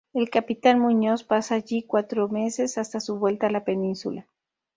El capitán Muñoz pasa allí cuatro meses hasta su vuelta a la península.